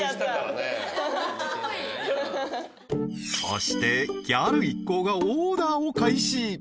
［そしてギャル一行がオーダーを開始］